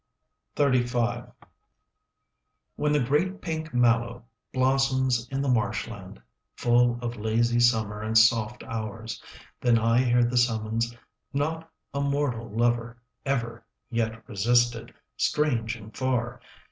XXXV When the great pink mallow Blossoms in the marshland, Full of lazy summer And soft hours, Then I hear the summons 5 Not a mortal lover Ever yet resisted, Strange and far.